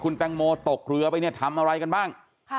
แตงโมตกเรือไปเนี่ยทำอะไรกันบ้าง